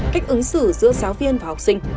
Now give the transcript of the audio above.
cách ứng xử giữa giáo viên và học sinh